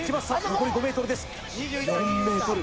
残り５ｍです